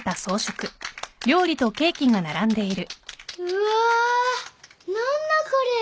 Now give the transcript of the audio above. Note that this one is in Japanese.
うわ何だこれ！